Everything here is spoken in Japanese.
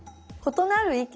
「○なる意見」？